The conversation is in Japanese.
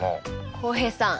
浩平さん